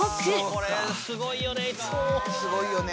これすごいよね。